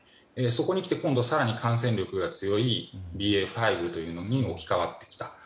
そこに来て、今度は更に感染力が強いＢＡ．５に置き換わってきた。